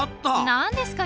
何ですか？